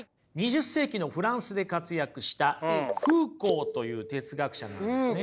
２０世紀のフランスで活躍したフーコーという哲学者なんですね。